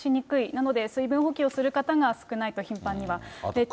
なので、水分補給をする方が少ないと、頻繁には。